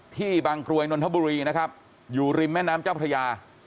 ที่บางกรวยนนทบุรีนะครับอยู่ริมแม่น้ำเจ้าพระยา